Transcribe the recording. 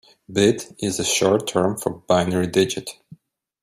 Bit is the short term for binary digit.